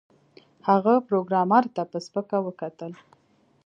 هغه پروګرامر ته په سپکه وکتل